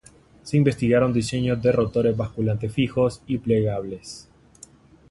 Se investigaron diseños de rotores basculantes fijos y plegables.